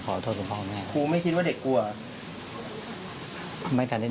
คุณกัลจอมพลังบอกจะมาให้ลบคลิปได้อย่างไร